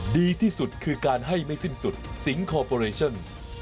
ดีที่สุดคือการให้ไม่สิ้นสุดสิงคอร์ปอเรชั่น